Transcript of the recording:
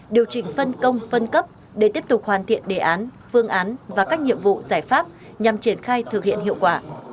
điều chỉnh phân công phân cấp để tiếp tục hoàn thiện đề án phương án và các nhiệm vụ giải pháp nhằm triển khai thực hiện hiệu quả